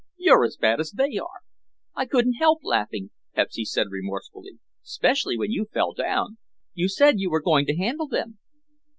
"You're as bad as they are." "I couldn't help laughing," Pepsy said remorsefully, "'specially when you fell down. You said you were going to handle them."